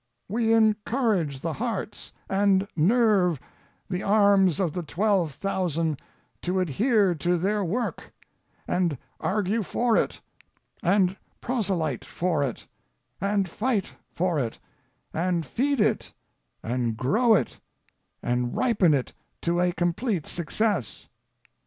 We encourage the hearts, and nerve the arms of the twelve thousand to adhere to their work, and argue for it, and proselyte for it, and fight for it, and feed it, and grow it, and ripen it to a complete success.